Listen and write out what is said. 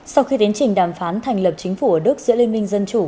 sau khi tiến trình đàm phán thành lập chính phủ ở đức giữa liên minh dân chủ